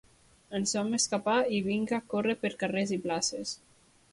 Ens vam escapar, i vinga córrer per carrers i places!